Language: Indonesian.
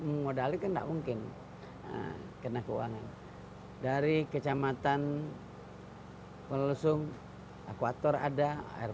mengodalikan enggak mungkin kena keuangan dari kecamatan hai melesung akuator ada air